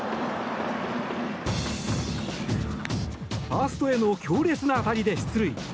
ファーストへの強烈な当たりで出塁。